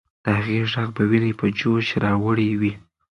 د هغې ږغ به ويني په جوش راوړي وي.